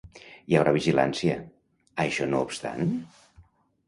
Hi haurà vigilància, això no obstant?